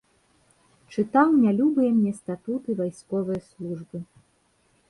Чытаў нялюбыя мне статуты вайсковае службы.